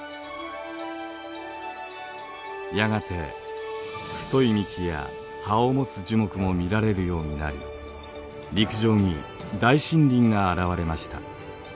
やがて太い幹や葉を持つ樹木も見られるようになり陸上に大森林が現れました。